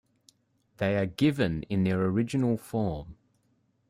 They are given in their original form.